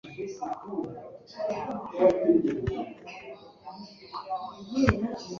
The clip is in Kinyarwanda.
Ibihugu bifite abanduye ndetse n’abapfuye benshi,